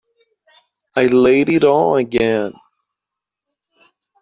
I laid it on again.